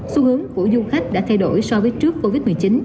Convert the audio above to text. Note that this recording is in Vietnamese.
xu hướng của du khách đã thay đổi so với trước covid một mươi chín